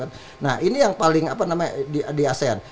nah ini yang paling apa namanya di asean